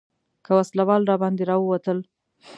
که وسله وال راباندې راووتل.